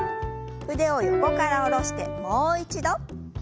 腕を横から下ろしてもう一度。